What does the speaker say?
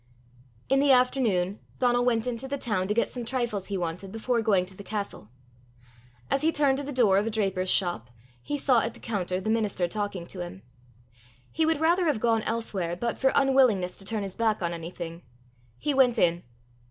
'" In the afternoon Donal went into the town to get some trifles he wanted before going to the castle. As he turned to the door of a draper's shop, he saw at the counter the minister talking to him. He would rather have gone elsewhere, but, for unwillingness to turn his back on anything, he went in.